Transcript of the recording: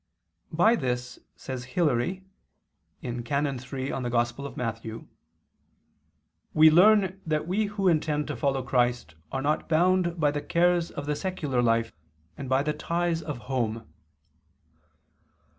By this, says Hilary (Can. iii in Matth.), "we learn that we who intend to follow Christ are not bound by the cares of the secular life, and by the ties of home."